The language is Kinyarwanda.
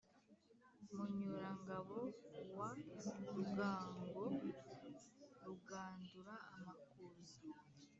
munyurangabo wa rugango, rugandura amakuza,